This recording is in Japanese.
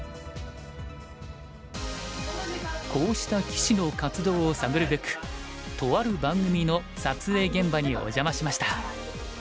こうした棋士の活動を探るべくとある番組の撮影現場にお邪魔しました。